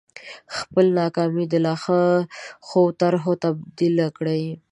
خپله ناکامي د لا ښو طرحو تبديله کړئ.